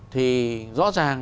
thì rõ ràng